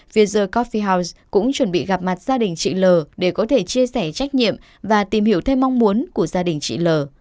vz capfiel house cũng chuẩn bị gặp mặt gia đình chị l để có thể chia sẻ trách nhiệm và tìm hiểu thêm mong muốn của gia đình chị l